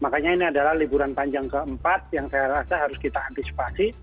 makanya ini adalah liburan panjang keempat yang saya rasa harus kita antisipasi